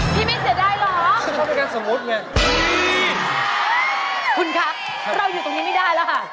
พี่ไม่เสียดายเหรอเหรอคะคุณครับเราอยู่ตรงนี้ไม่ได้แล้วค่ะ